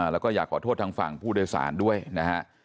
แล้วก็อยากขอโทษทางฝั่งผู้โดยสารด้วยนะฮะ